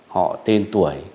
họ tên tuổi